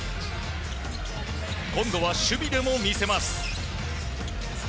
今度は守備でも見せます。